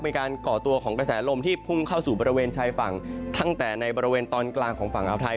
ก่อตัวของกระแสลมที่พุ่งเข้าสู่บริเวณชายฝั่งตั้งแต่ในบริเวณตอนกลางของฝั่งอาวไทย